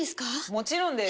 もちろんです。